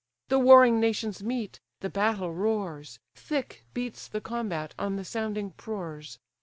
The warring nations meet, the battle roars, Thick beats the combat on the sounding prores.